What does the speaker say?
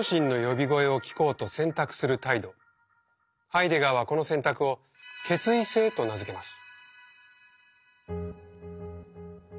ハイデガーはこの選択を「決意性」と名付けます。